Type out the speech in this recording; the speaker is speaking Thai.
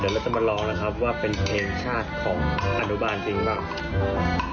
เดี๋ยวเราจะมาลองนะครับว่าเป็นเพลงชาติของอนุบาลจริงบ้างนะครับ